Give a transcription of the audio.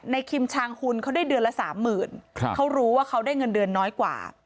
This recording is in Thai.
คิมชางหุ่นเขาได้เดือนละสามหมื่นเขารู้ว่าเขาได้เงินเดือนน้อยกว่า